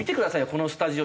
このスタジオ